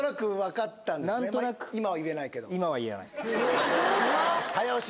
何となく今は言えないけどすごい！